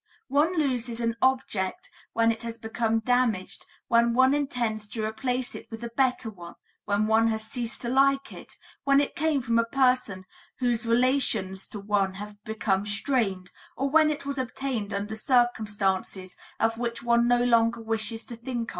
One loses an object when it has become damaged, when one intends to replace it with a better one, when one has ceased to like it, when it came from a person whose relations to one have become strained, or when it was obtained under circumstances of which one no longer wishes to think.